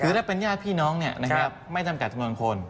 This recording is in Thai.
หรือถ้าเป็นญาติพี่น้องไม่จำกัดทั้งความคน